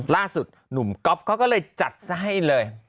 ล่าสุดหนุ่มก๊อฟเขาก็เลยจัดซะให้เลย